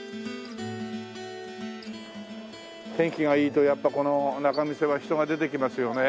天気がいいとやっぱこの仲見世は人が出てきますよね。